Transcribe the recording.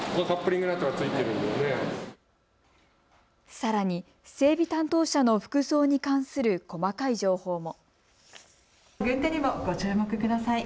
さらに整備担当者の服装に関する細かい情報も。